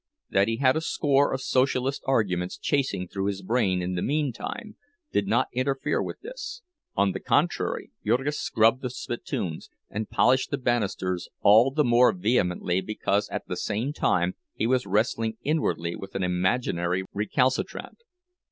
That he had a score of Socialist arguments chasing through his brain in the meantime did not interfere with this; on the contrary, Jurgis scrubbed the spittoons and polished the banisters all the more vehemently because at the same time he was wrestling inwardly with an imaginary recalcitrant.